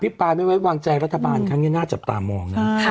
ปลายไม่ไว้วางใจรัฐบาลครั้งนี้น่าจับตามองนะ